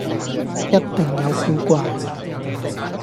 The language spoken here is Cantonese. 一定有古怪